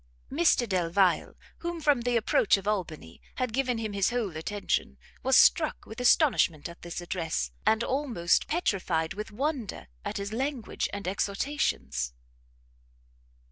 Mr Delvile, who from the approach of Albany, had given him his whole attention, was struck with astonishment at this address, and almost petrified with wonder at his language and exhortations.